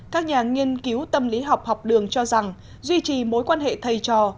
các nhà nghiên cứu tâm lý học học đường cho rằng duy trì mối quan hệ thầy trò